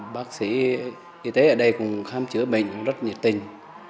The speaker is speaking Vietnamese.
bác sĩ y tế ở đây cũng khám chữa bệnh rất nhiệt tình